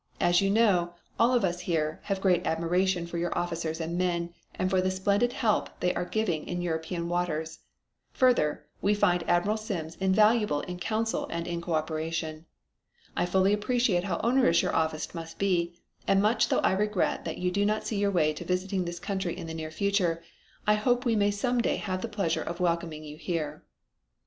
As you know we, all of us here, have great admiration for your officers and men, and for the splendid help they are giving in European waters. Further, we find Admiral Sims invaluable in council and in co operation. I fully appreciate how onerous your office must be and much though I regret that you do not see your way to visiting this country in the near future, I hope we may some day have the pleasure of welcoming you here."